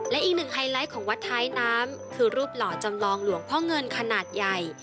และอีกหนึ่งไฮไลท์ของวัดท้ายน้ำคือรูปหล่อจำลองหลวงพ่อเงินขนาดใหญ่